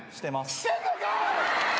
してんのかい！